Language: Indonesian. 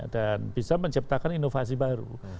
dan bisa menciptakan inovasi baru